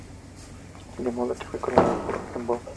De modo que fue coronado en Bonn.